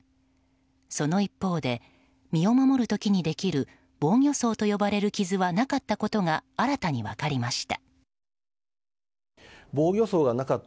その一方で身を守るときにできる防御創と呼ばれる傷はなかったことが新たに分かりました。